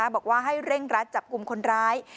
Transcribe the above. บอกว่าให้เร่งรัดจับกลุ่มคนร้าย